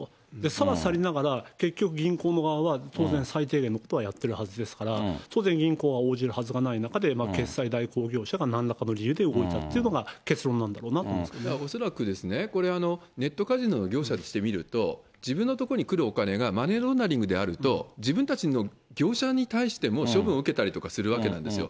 さはさりながら、結局、銀行の側は当然、最低限のことはやってるはずですから、当然銀行は応じるはずがないことで、決済代行業者がなんらかの理由で動いたというのが、恐らくこれ、ネットカジノの業者として見ると、自分のところに来るお金がマネーロンダリングであると、自分たちの業者に対しても処分を受けたりとかするわけなんですよ。